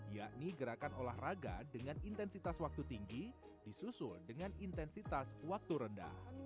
yakni gerakan olahraga dengan intensitas waktu tinggi disusul dengan intensitas waktu rendah